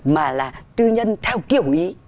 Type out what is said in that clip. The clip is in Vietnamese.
mà là tư nhân theo kiểu ý